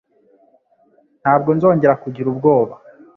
Ntabwo nzongera kugira ubwoba